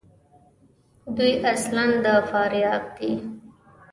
دوی اصلاُ د فاریاب دي.